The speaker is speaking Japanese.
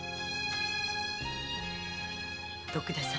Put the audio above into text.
徳田様